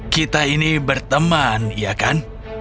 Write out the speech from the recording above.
kita ini berteman ya kan